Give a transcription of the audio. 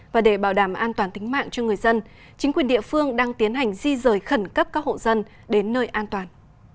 và để bảo đảm an toàn tính mạng cho người dân chính quyền địa phương đang tiến hành di rời khẩn cấp các hộ dân đến nơi an toàn